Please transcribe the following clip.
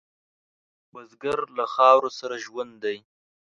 بزګر له خاورو سره ژوندی دی